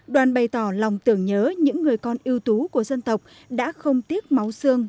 đoàn bày tỏ lòng tưởng nhớ những người con ưu tú của dân tộc đã không tiếc máu xương